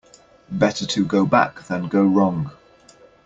Better to go back than go wrong.